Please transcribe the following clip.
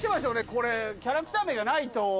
これキャラクター名がないと。